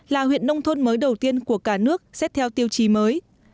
là huyện nông thôn mới đầu tiên của cả nước xét theo tiêu chí mới